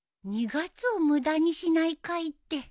２月を無駄にしない会って。